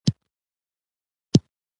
ګلونه د طبیعت ښکلا او بوی دی.